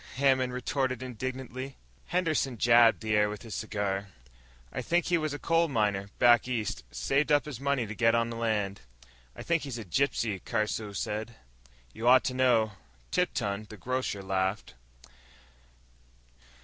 Hammond retorted indignantly. Henderson jabbed the air with his cigar. "I think he was a coal miner, back East. Saved up his money to get on the land." "I think he's a gypsy," Caruso said. "You ought to know," Tipton, the grocer, laughed.